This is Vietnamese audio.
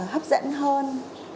hấp dẫn hơn